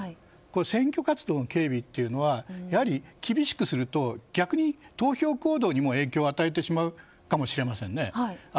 選挙活動の警備というのはやはり厳しくすると逆に投票行動にも影響を与えてしまうかもしれませんね。